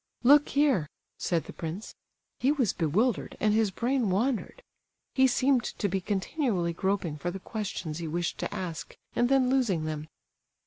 "Look here," said the prince; he was bewildered, and his brain wandered. He seemed to be continually groping for the questions he wished to ask, and then losing them.